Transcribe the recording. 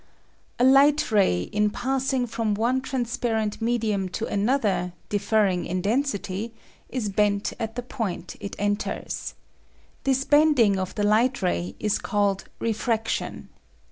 A light ray in passing from one transparent medium to another, differing in density, is bent at the point it enters. This bending of the light ray is called refraction.